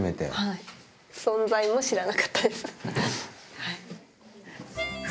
存在も知らなかったです。